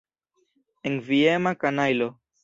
Enviema kanajlo.